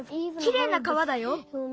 きれいな川だよ。